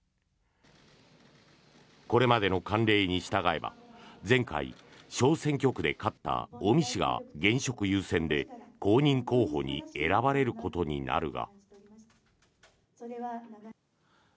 これまでの慣例に従えば前回、小選挙区で勝った尾身氏が現職優先で、公認候補に選ばれることになるが。